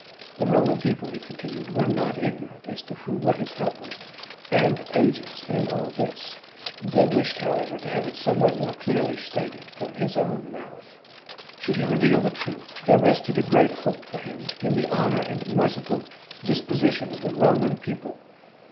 The Roman people, he continued, were not ignorant as to who were his helpers and agents in all this. They wished, however, to have it somewhat more clearly stated from his own mouth. Should he reveal the truth, there rested a great hope for him in the honour and merciful disposition of the Roman people.